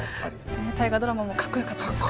「大河ドラマ」もかっこよかったですからね。